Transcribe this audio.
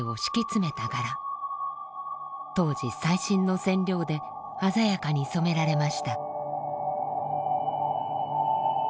当時最新の染料で鮮やかに染められました。